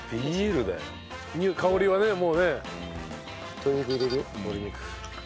鶏肉入れるよ鶏肉。